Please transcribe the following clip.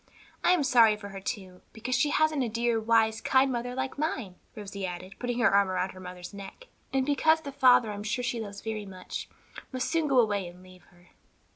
I am sorry for her, too, because she hasn't a dear, wise, kind mother like mine," Rosie added, putting her arms about her mother's neck, "and because the father, I am sure she loves very much, must soon go away and leave her."